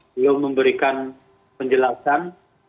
belum memberikan penjelasan